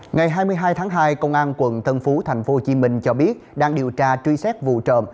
ngày hai mươi hai tháng hai công an quận tân phú tp hcm cho biết đang điều tra truy xét vụ trộm